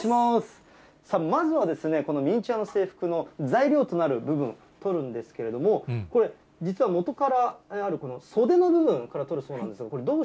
まずはですね、このミニチュアの制服の材料となる部分、取るんですけれども、これ、実は元からあるこの袖の部分、から取るそうなんですよ。